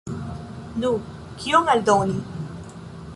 Nu, kion aldoni?